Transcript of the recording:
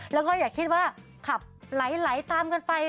แล้วก็อย่าคิดว่าขับไหลตามกันไป